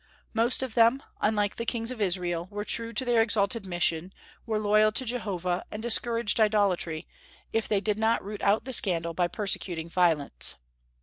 Most of them, unlike the kings of Israel, were true to their exalted mission, were loyal to Jehovah, and discouraged idolatry, if they did not root out the scandal by persecuting violence.